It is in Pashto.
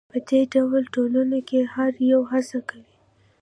په دې ډول ټولنو کې هر یو هڅه کوي.